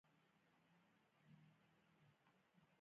پښتو لیکلی نظم له فارسي او عربي نظمونو سره توپیر نه لري.